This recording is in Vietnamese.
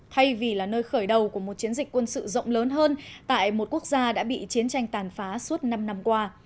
thay vì là nơi khởi đầu của một chiến dịch quân sự rộng lớn hơn tại một quốc gia đã bị chiến tranh tàn phá suốt năm năm qua